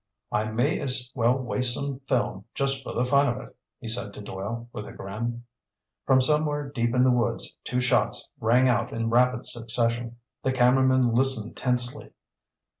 "I may as well waste some film just for the fun of it," he said to Doyle with a grin. From somewhere deep in the woods two shots rang out in rapid succession. The cameramen listened tensely.